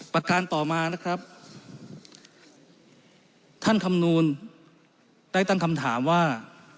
ประการต่อมานะครับท่านคำนูลได้ตั้งคำถามว่า